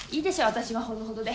私はほどほどで。